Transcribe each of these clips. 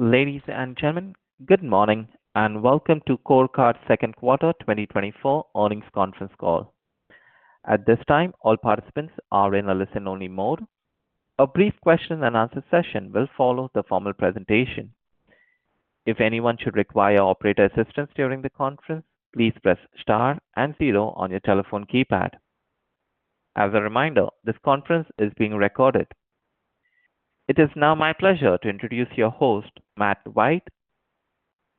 Ladies and gentlemen, good morning, and welcome to CoreCard second quarter 2024 earnings conference call. At this time, all participants are in a listen-only mode. A brief question-and-answer session will follow the formal presentation. If anyone should require operator assistance during the conference, please press Star and zero on your telephone keypad. As a reminder, this conference is being recorded. It is now my pleasure to introduce your host, Matt White,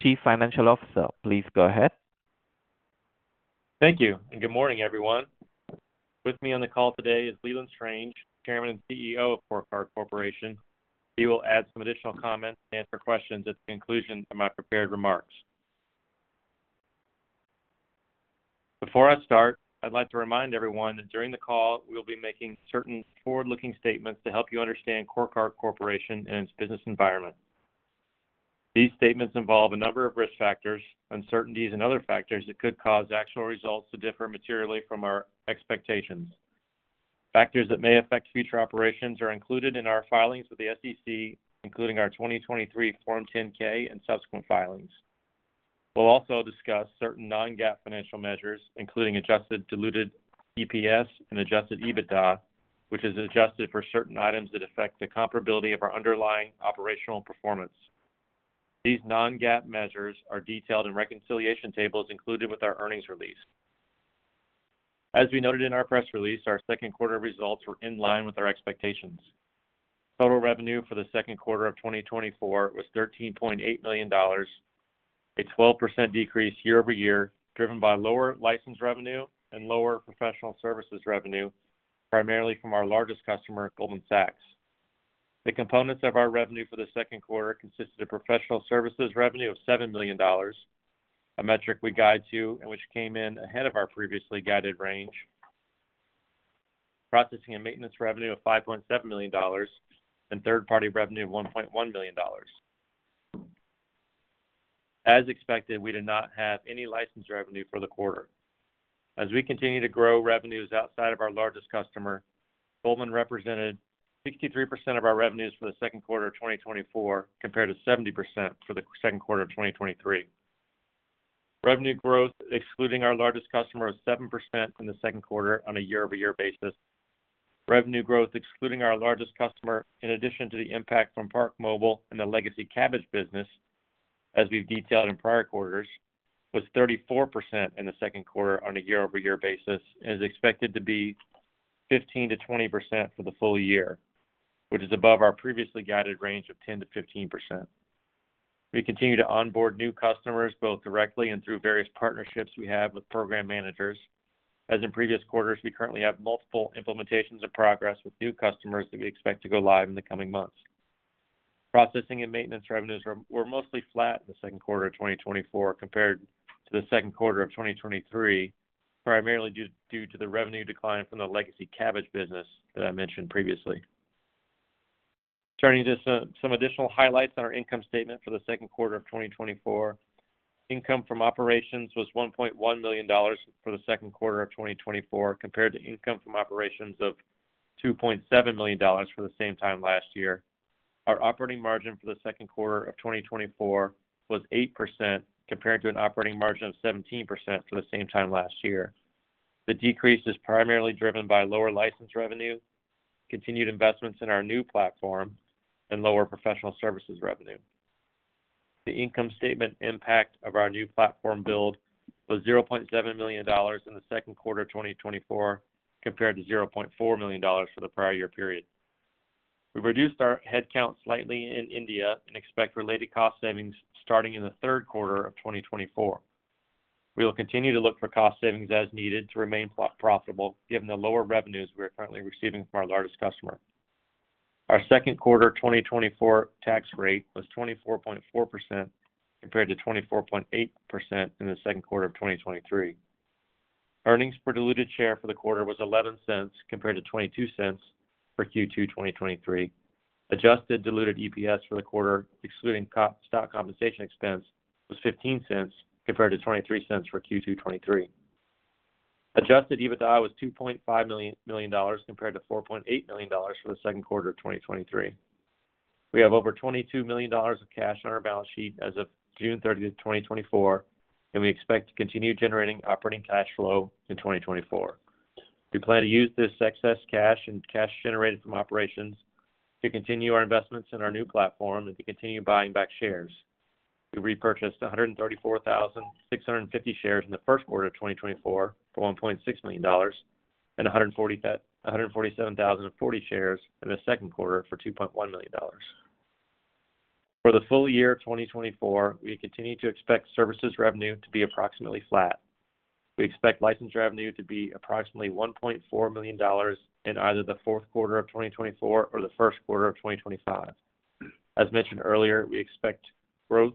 Chief Financial Officer. Please go ahead. Thank you, and good morning, everyone. With me on the call today is Leland Strange, Chairman and CEO of CoreCard Corporation. He will add some additional comments and answer questions at the conclusion of my prepared remarks. Before I start, I'd like to remind everyone that during the call, we'll be making certain forward-looking statements to help you understand CoreCard Corporation and its business environment. These statements involve a number of risk factors, uncertainties, and other factors that could cause actual results to differ materially from our expectations. Factors that may affect future operations are included in our filings with the SEC, including our 2023 Form 10-K and subsequent filings. We'll also discuss certain non-GAAP financial measures, including adjusted diluted EPS and adjusted EBITDA, which is adjusted for certain items that affect the comparability of our underlying operational performance. These non-GAAP measures are detailed in reconciliation tables included with our earnings release. As we noted in our press release, our second quarter results were in line with our expectations. Total revenue for the second quarter of 2024 was $13.8 million, a 12% decrease year-over-year, driven by lower license revenue and lower professional services revenue, primarily from our largest customer, Goldman Sachs. The components of our revenue for the second quarter consisted of professional services revenue of $7 million, a metric we guide to and which came in ahead of our previously guided range. Processing and maintenance revenue of $5.7 million, and third-party revenue of $1.1 million. As expected, we did not have any license revenue for the quarter. As we continue to grow revenues outside of our largest customer, Goldman represented 63% of our revenues for the second quarter of 2024, compared to 70% for the second quarter of 2023. Revenue growth, excluding our largest customer, was 7% in the second quarter on a year-over-year basis. Revenue growth, excluding our largest customer, in addition to the impact from ParkMobile and the legacy Kabbage business, as we've detailed in prior quarters, was 34% in the second quarter on a year-over-year basis and is expected to be 15%-20% for the full year, which is above our previously guided range of 10%-15%. We continue to onboard new customers, both directly and through various partnerships we have with program managers. As in previous quarters, we currently have multiple implementations in progress with new customers that we expect to go live in the coming months. Processing and maintenance revenues were mostly flat in the second quarter of 2024 compared to the second quarter of 2023, primarily due to the revenue decline from the legacy Kabbage business that I mentioned previously. Turning to some additional highlights on our income statement for the second quarter of 2024. Income from operations was $1.1 million for the second quarter of 2024, compared to income from operations of $2.7 million for the same time last year. Our operating margin for the second quarter of 2024 was 8%, compared to an operating margin of 17% for the same time last year. The decrease is primarily driven by lower license revenue, continued investments in our new platform, and lower professional services revenue. The income statement impact of our new platform build was $0.7 million in the second quarter of 2024, compared to $0.4 million for the prior year period. We've reduced our headcount slightly in India and expect related cost savings starting in the third quarter of 2024. We will continue to look for cost savings as needed to remain profitable, given the lower revenues we are currently receiving from our largest customer. Our second quarter 2024 tax rate was 24.4%, compared to 24.8% in the second quarter of 2023. Earnings per diluted share for the quarter was $0.11, compared to $0.22 for Q2 2023. Adjusted diluted EPS for the quarter, excluding stock compensation expense, was $0.15, compared to $0.23 for Q2 2023. Adjusted EBITDA was $2.5 million compared to $4.8 million for the second quarter of 2023. We have over $22 million of cash on our balance sheet as of June 30, 2024, and we expect to continue generating operating cash flow in 2024. We plan to use this excess cash and cash generated from operations to continue our investments in our new platform and to continue buying back shares. We repurchased 134,650 shares in the first quarter of 2024 for $1.6 million and 147,040 shares in the second quarter for $2.1 million. For the full year of 2024, we continue to expect services revenue to be approximately flat. We expect license revenue to be approximately $1.4 million in either the fourth quarter of 2024 or the first quarter of 2025. As mentioned earlier, we expect growth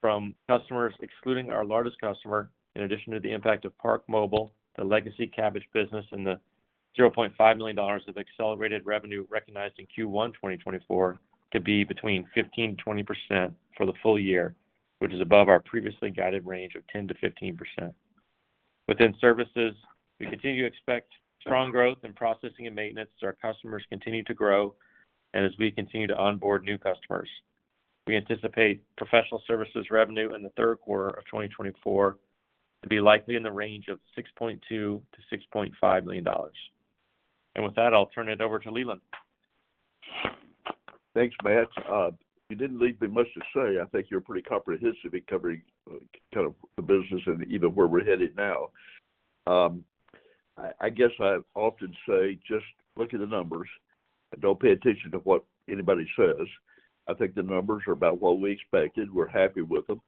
from customers, excluding our largest customer, in addition to the impact of ParkMobile, the legacy Kabbage business, and the $0.5 million of accelerated revenue recognized in Q1 2024, to be between 15%-20% for the full year, which is above our previously guided range of 10%-15%. Within services, we continue to expect strong growth in processing and maintenance as our customers continue to grow and as we continue to onboard new customers. We anticipate professional services revenue in the third quarter of 2024 to be likely in the range of $6.2 million-$6.5 million. With that, I'll turn it over to Leland. Thanks, Matt. You didn't leave me much to say. I think you're pretty comprehensive in covering, kind of, the business and even where we're headed now. I guess I often say, "Just look at the numbers and don't pay attention to what anybody says." I think the numbers are about what we expected. We're happy with them.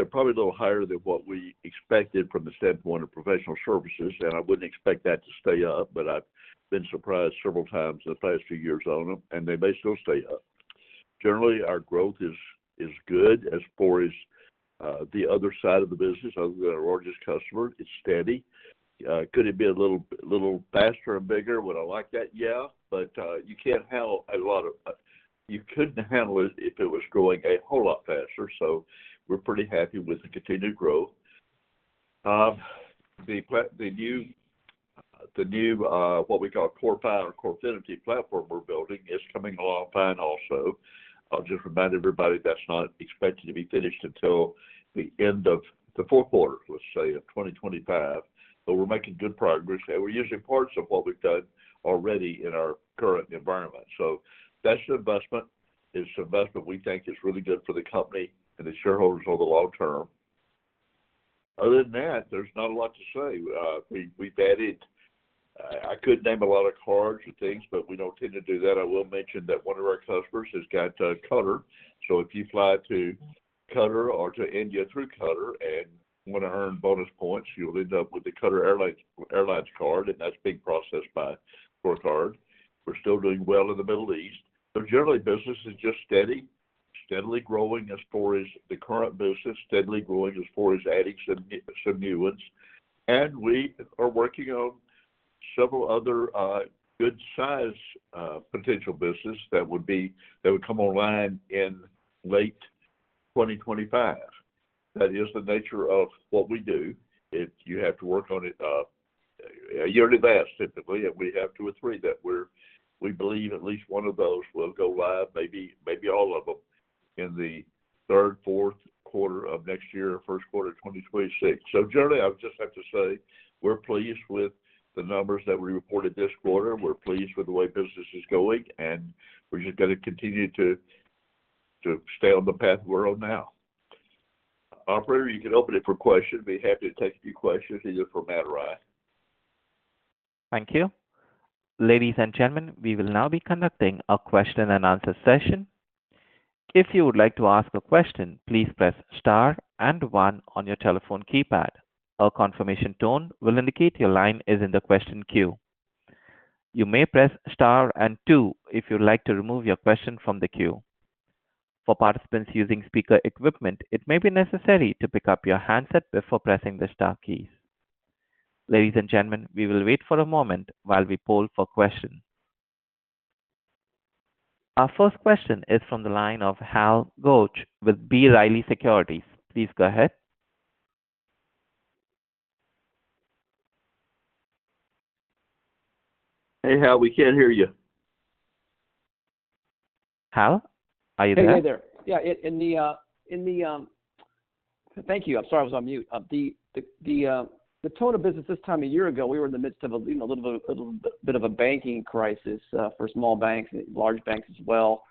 They're probably a little higher than what we expected from the standpoint of professional services, and I wouldn't expect that to stay up, but I've been surprised several times in the past few years on them, and they may still stay up. Generally, our growth is good. As far as the other side of the business, other than our largest customer, it's steady. Could it be a little faster and bigger? Would I like that? Yeah, but you can't handle a lot of... You couldn't handle it if it was growing a whole lot faster, so we're pretty happy with the continued growth. The new what we call CoreFi or CoreFinity platform we're building is coming along fine also. I'll just remind everybody, that's not expected to be finished until the end of the fourth quarter, let's say, of 2025. But we're making good progress, and we're using parts of what we've done already in our current environment. So that's an investment. It's an investment we think is really good for the company and the shareholders over the long term. Other than that, there's not a lot to say. We've added... I could name a lot of cards and things, but we don't tend to do that. I will mention that one of our customers has got Qatar. So if you fly to Qatar or to India through Qatar and want to earn bonus points, you'll end up with the Qatar Airways card, and that's being processed by CoreCard. We're still doing well in the Middle East, but generally, business is just steady. Steadily growing as far as the current business, steadily growing as far as adding some new ones. And we are working on several other good-sized potential business that would come online in late 2025. That is the nature of what we do. You have to work on it a year in advance, typically, and we have two or three that we're. We believe at least one of those will go live, maybe, maybe all of them, in the third, fourth quarter of next year, first quarter of 2026. Generally, I would just have to say, we're pleased with the numbers that we reported this quarter. We're pleased with the way business is going, and we're just gonna continue to stay on the path we're on now. Operator, you can open it for questions. Be happy to take a few questions, either from Matt or I. Thank you. Ladies and gentlemen, we will now be conducting a question and answer session. If you would like to ask a question, please press star and one on your telephone keypad. A confirmation tone will indicate your line is in the question queue. You may press star and two if you'd like to remove your question from the queue. For participants using speaker equipment, it may be necessary to pick up your handset before pressing the star keys. Ladies and gentlemen, we will wait for a moment while we poll for questions. Our first question is from the line of Hal Goetsch with B. Riley Securities. Please go ahead. Hey, Hal, we can't hear you. Hal, are you there? Hey, hey there. Yeah, in the... Thank you. I'm sorry, I was on mute. The tone of business this time a year ago, we were in the midst of a, you know, a little bit, a little bit of a banking crisis for small banks and large banks as well.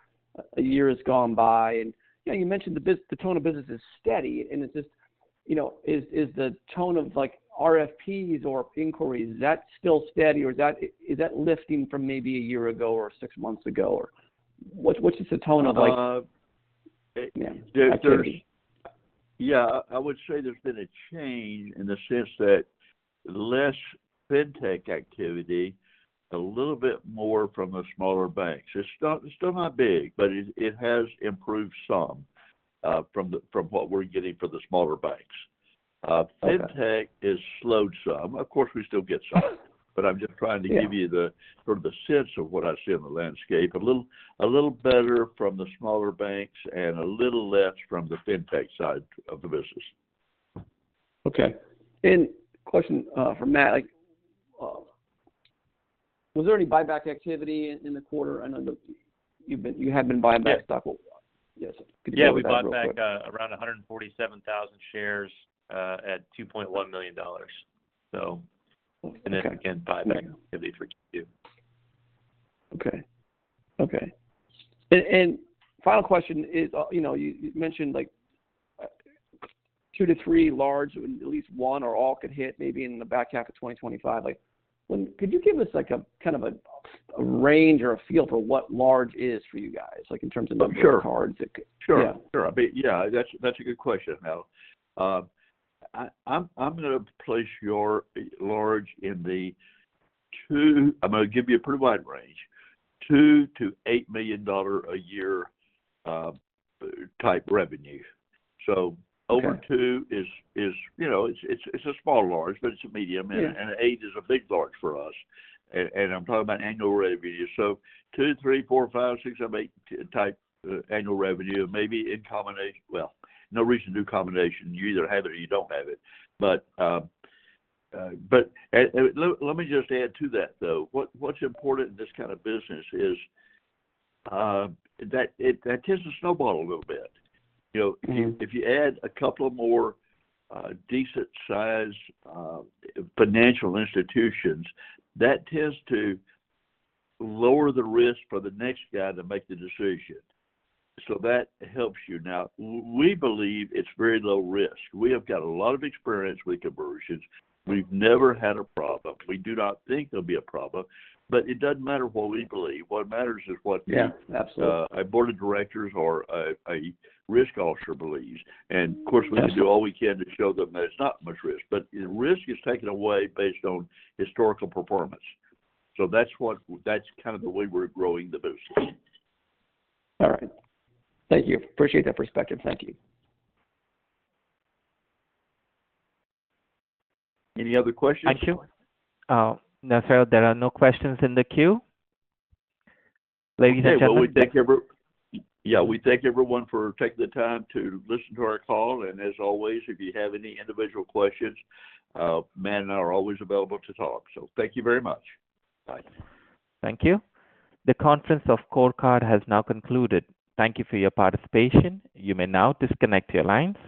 A year has gone by and, yeah, you mentioned the bus- the tone of business is steady, and it's just, you know, is the tone of like RFPs or inquiries, is that still steady, or is that lifting from maybe a year ago or six months ago? Or what's the tone of like- Uh- Yeah, activity? Yeah, I would say there's been a change in the sense that less fintech activity, a little bit more from the smaller banks. It's still not big, but it has improved some from what we're getting from the smaller banks. Okay. Fintech has slowed some. Of course, we still get some but I'm just trying to give you- Yeah the sort of sense of what I see in the landscape. A little better from the smaller banks and a little less from the fintech side of the business. Okay. Question for Matt. Was there any buyback activity in the quarter? I know you have been buying back stock. Yes. Could you talk about it real quick? Yeah, we bought back around 147,000 shares at $2.1 million. So- Okay... And then again, buyback activity for Q2. Okay. Okay. And, and final question is, you know, you, you mentioned, like, 2 to 3 large, at least one or all could hit maybe in the back half of 2025. Like, when... Could you give us, like, a kind of a, a range or a feel for what large is for you guys, like, in terms of- Sure - number of cards? Sure. Yeah. Sure. But yeah, that's, that's a good question, Hal. I'm gonna give you a pretty wide range, $2 million-$8 million a year type revenue. Okay. Over two is, you know, it's a small large, but it's a medium. Yeah. And 8 is a big large for us. And I'm talking about annual revenue. So 2, 3, 4, 5, 6, 7, 8 type annual revenue, maybe in combination. Well, no reason to do combination. You either have it or you don't have it. But... And let me just add to that, though. What's important in this kind of business is that it tends to snowball a little bit. You know- Mm-hmm... if you add a couple of more, decent-sized, financial institutions, that tends to lower the risk for the next guy to make the decision. So that helps you. Now, we believe it's very low risk. We have got a lot of experience with conversions. We've never had a problem. We do not think there'll be a problem, but it doesn't matter what we believe. What matters is what- Yeah, absolutely a board of directors or a risk officer believes. Absolutely. And of course, we can do all we can to show them that it's not much risk, but risk is taken away based on historical performance. So that's kind of the way we're growing the business. All right. Thank you. Appreciate that perspective. Thank you. Any other questions? Thank you. No, sir, there are no questions in the queue. Ladies and gentlemen- Okay. Well, we thank everyone for taking the time to listen to our call, and as always, if you have any individual questions, Matt and I are always available to talk. So thank you very much. Bye. Thank you. The conference of CoreCard has now concluded. Thank you for your participation. You may now disconnect your lines.